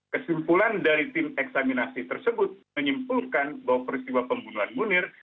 kesimpulan dari tim eksaminasi tersebut menyimpulkan bahwa peristiwa pembunuhan munir